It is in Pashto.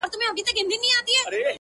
ځكه دنيا مي ته يې’